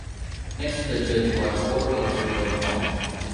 Next to the church are Court House and Court Farm.